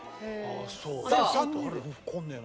ああそう。